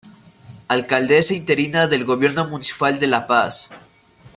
Alcaldesa interina del Gobierno Municipal de La Paz.